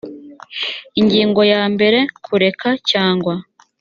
ingingo ya mbere kureka cyangwa